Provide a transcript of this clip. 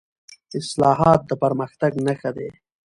اصلاحات د پرمختګ نښه ده